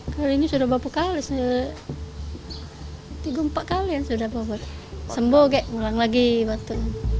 kali ini sudah berpukul setelah tiga puluh empat kalian sudah bobot sembuh kek mulai lagi waktu